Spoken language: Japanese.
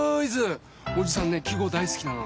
おじさんね記号大すきなの。